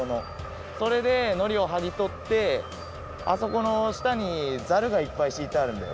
それでのりをはぎとってあそこのしたにザルがいっぱいしいてあるんだよ